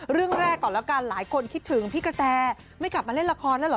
เรื่องแรกก่อนแล้วกันหลายคนคิดถึงพี่กะแตไม่กลับมาเล่นละครแล้วเหรอ